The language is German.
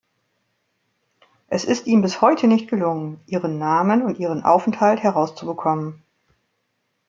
Es ist ihm bis heute nicht gelungen, ihren Namen und ihren Aufenthalt herauszubekommen.